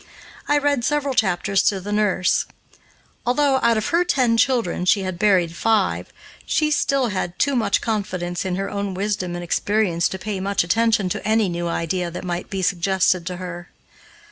I read several chapters to the nurse. Although, out of her ten children, she had buried five, she still had too much confidence in her own wisdom and experience to pay much attention to any new idea that might be suggested to her.